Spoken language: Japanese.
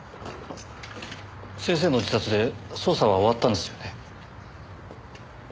先生の自殺で捜査は終わったんですよね。